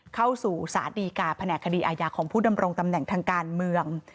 เข้าสู่สารดีกาแผนกคดีอาญาของผู้ดำรงตำแหน่งทางการเมือง